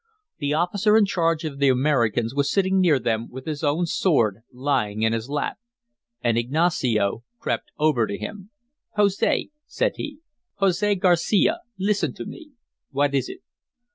The officer in charge of the Americans was sitting near them with his own sword lying in his lap. And Ignacio crept over to him. "Jose," said he, "Jose Garcia, listen to me." "What is it?"